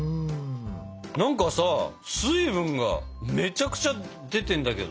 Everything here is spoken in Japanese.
何かさ水分がめちゃくちゃ出てんだけど。